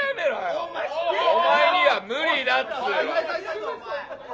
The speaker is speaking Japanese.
お前には無理だっつうの。